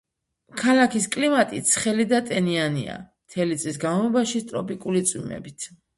ქალაქის კლიმატი ცხელი და ტენიანია, მთელი წლის განმავლობაში ტროპიკული წვიმებით.